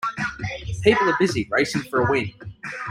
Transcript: People are busy racing for a win.